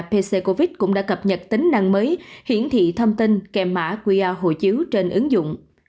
pc covid cũng đã cập nhật tính năng mới hiển thị thông tin kèm mã qr hộ chiếu trên ứng dụng